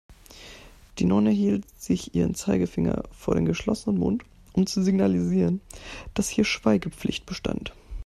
Die Nonne hielt sich ihren Zeigefinger vor den geschlossenen Mund, um zu signalisieren, dass hier Schweigepflicht bestand.